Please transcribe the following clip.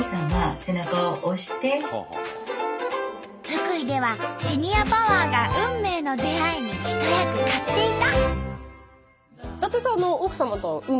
福井ではシニアパワーが運命の出会いに一役買っていた。